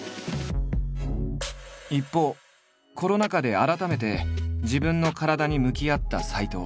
一方コロナ禍で改めて自分の体に向き合った斎藤。